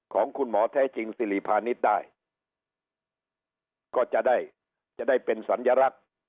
ของคุณหมอแท้จริงสิริพาณิชย์ได้ก็จะได้จะได้เป็นสัญลักษณ์